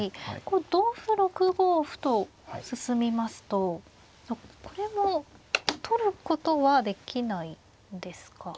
同歩６五歩と進みますとこれも取ることはできないんですか。